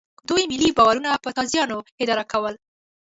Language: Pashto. دوی ملي باورونه په تازیانو اداره کول.